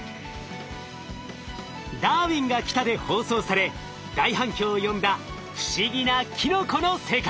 「ダーウィンが来た！」で放送され大反響を呼んだ不思議なキノコの世界。